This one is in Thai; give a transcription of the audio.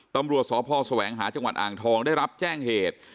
ตำรวจสพแสวงหาจังหวัดอ่างทองได้รับแจ้งเหตุ